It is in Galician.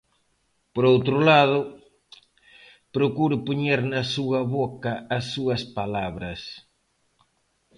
Por outro lado, procure poñer na súa boca as súas palabras.